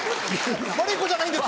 悪い子じゃないんです。